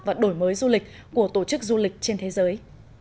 và đổi mới du lịch của tổ chức du lịch trên thế giới